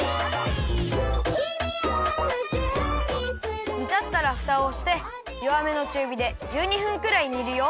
「君を夢中にする」にたったらふたをしてよわめのちゅうびで１２分くらいにるよ。